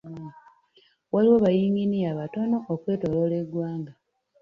Waliwo ba yinginiya batono okwetooloola eggwanga.